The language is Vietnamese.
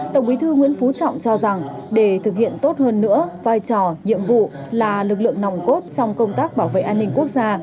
tổng bí thư nguyễn phú trọng cho rằng để thực hiện tốt hơn nữa vai trò nhiệm vụ là lực lượng nòng cốt trong công tác bảo vệ an ninh quốc gia